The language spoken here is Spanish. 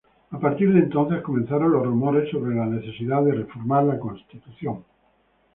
A partir de entonces, comenzaron los rumores sobre la necesidad de reformar la Constitución.